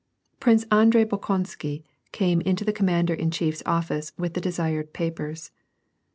Prince Andrei Bolkonsky came into the commander in chiefs office with the desired papers.